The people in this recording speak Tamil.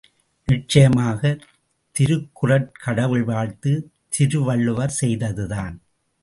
நிச்சயமாகத் திருக்குறட் கடவுள் வாழ்த்து திருவள்ளுவர் செய்ததுதான்.